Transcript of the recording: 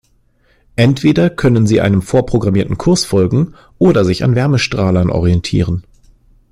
Entweder können sie einem vorprogrammierten Kurs folgen oder sich an Wärmestrahlern orientieren.